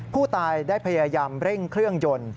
ผู้ตายได้พยายามเร่งเครื่องยนต์